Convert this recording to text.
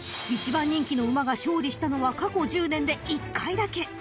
［１番人気の馬が勝利したのは過去１０年で１回だけ］